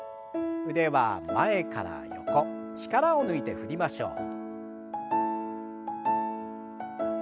腕は前から横力を抜いて振りましょう。